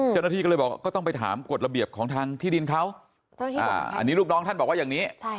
เจ้าหน้าที่ก็เลยบอกก็ต้องไปถามกฎระเบียบของทางที่ดินเขาอันนี้ลูกน้องท่านบอกว่าอย่างนี้